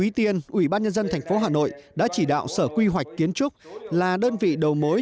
và đồng tiền ủy ban nhân dân thành phố hà nội đã chỉ đạo sở quy hoạch kiến trúc là đơn vị đầu mối